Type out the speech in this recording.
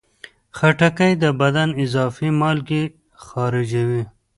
خټکی د بدن اضافي مالګې خارجوي.